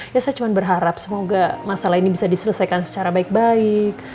ya saya cuma berharap semoga masalah ini bisa diselesaikan secara baik baik